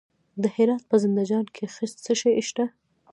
د هرات په زنده جان کې څه شی شته؟